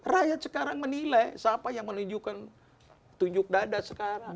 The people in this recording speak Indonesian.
rakyat sekarang menilai siapa yang menunjukkan tunjuk dada sekarang